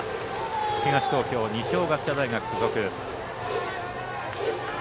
東東京、二松学舎大付属。